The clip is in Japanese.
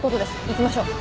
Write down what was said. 行きましょう。